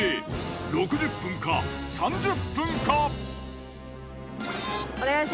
６０分か３０分か。